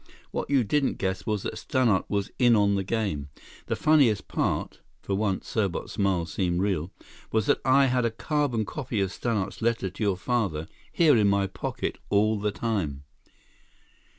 What you didn't guess was that Stannart was in on the game. The funniest part"—for once, Serbot's smile seemed real—"was that I had a carbon copy of Stannart's letter to your father, here in my pocket all the time!"